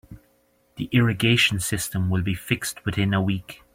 The irrigation system will be fixed within a week.